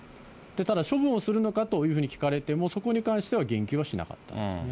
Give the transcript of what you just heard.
ただ、処分をするのかというふうに聞かれても、そこに関しては言及はしなかったんですね。